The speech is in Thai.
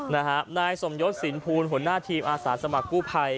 นะฮะหนักส่มโยชน์สินภูลหน้าทีมอาสาสมัครกู้ไภ